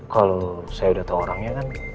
kalau saya udah tahu orangnya kan